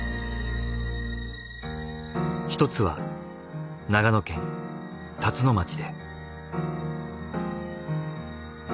一つは長野県辰野町で。